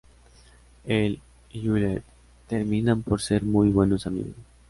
Él y Juliet terminan por ser muy buenos amigos.